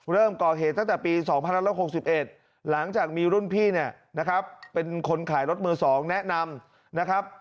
เริ่มก่อเหตุตั้งแต่ปี๒๑๖๑หลังจากมีรุ่นพี่เนี่ยนะครับเป็นคนขายรถมือ๒แนะนำนะครับ